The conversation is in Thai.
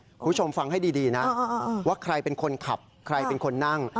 คุณผู้ชมฟังให้ดีนะว่าใครเป็นคนขับใครเป็นคนนั่ง